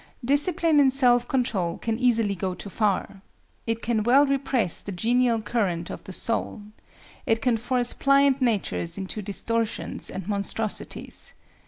Discipline in self control can easily go too far. It can well repress the genial current of the soul. It can force pliant natures into distortions and monstrosities.